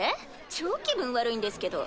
超気分悪いんですけど。